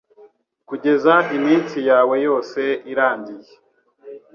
Kugeza iminsi yawe yose irangiye